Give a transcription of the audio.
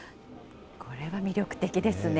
これは魅力的ですね。